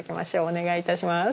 お願いいたします。